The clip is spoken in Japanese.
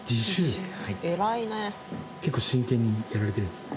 結構真剣にやられてるんですね。